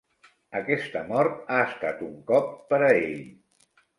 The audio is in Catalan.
Aquesta mort ha estat un cop per a ell.